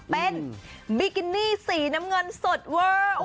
เป็นบิกินี่สีน้ำเงินสดเวอร์